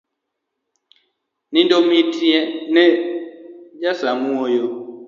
Nindo mitne ja samuoyo